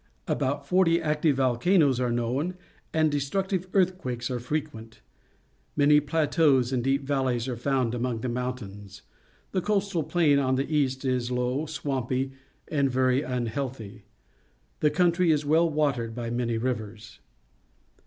About fort} active volcanoes are known, and destructive earthquakes are frequent. Many plateaus and deep valleys are found among the mountains. The coastal plain on the east is low, swampy, and very unhealthy. The country is well watered by manj^ rivers.